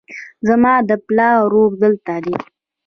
زما د پلار ورور دلته دی